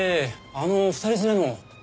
あの２人連れの。